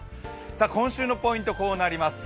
今週のポイント、こうなります。